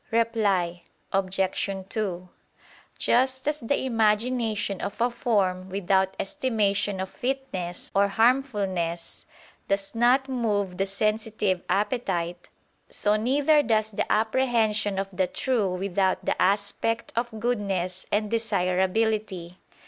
Reply Obj. 2: Just as the imagination of a form without estimation of fitness or harmfulness, does not move the sensitive appetite; so neither does the apprehension of the true without the aspect of goodness and desirability.